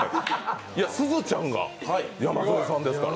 すずちゃんが山添さんですから。